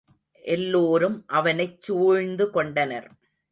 எல்லோரும் அவனைச் சூழ்ந்து கொண்டனர்.